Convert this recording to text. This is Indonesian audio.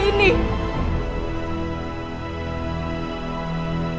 kamu tidak akan mencari nawangsi